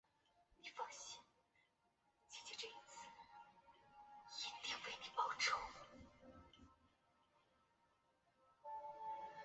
航空交通管制服务提供给所有在受管空域则无任何管制。